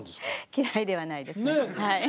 嫌いではないですはい。